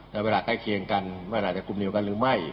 และเวลาใกล้เคียงกันไม่อาจจะกลุ่มเดียวกันหรือไม่